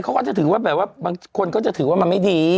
เขาก็จะถือว่าแบบว่าบางคนก็จะถือว่ามันไม่ดี